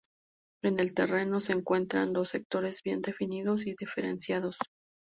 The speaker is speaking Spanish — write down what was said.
En el terreno se encuentran dos sectores bien definidos y diferenciados.